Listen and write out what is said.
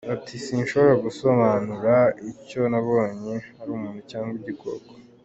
Bati "Sinshobora gusobanura niba icyo nabonye ari umuntu cyangwa igikoko.